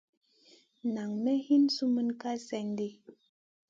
Nam may hin summun kal slèn di.